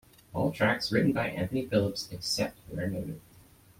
All tracks written by Anthony Phillips, except where noted.